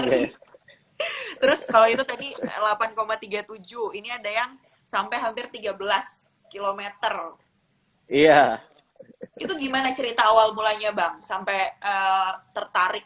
gram tujuh ini ada yang sampai hampir tiga belas km ya hah gimana cerita awal mula nya bang sampai tertarik